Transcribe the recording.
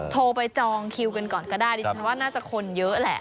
โทรไปจองคิวกันก่อนก็ได้ดิฉันว่าน่าจะคนเยอะแหละ